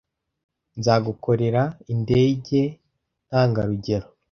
Nzagukorera indege ntangarugero.